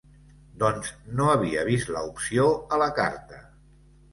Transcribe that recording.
Doncs no havia vist la opció a la carta.